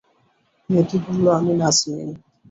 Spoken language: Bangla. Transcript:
মেয়েটি বলল, আমি নাজনীন।